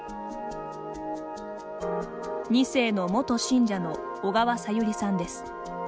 ２世の元信者の小川さゆりさんです。